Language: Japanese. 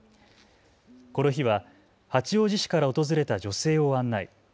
この日は八王子市から訪れた女性を案内。